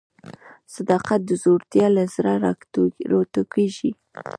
صداقت د زړورتیا له زړه راټوکېږي.